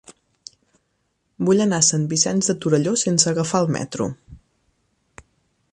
Vull anar a Sant Vicenç de Torelló sense agafar el metro.